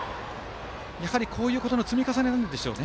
やはり、こういうことの積み重ねなんでしょうね。